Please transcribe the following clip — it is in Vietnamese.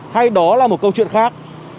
hay đó là một câu chuyện khác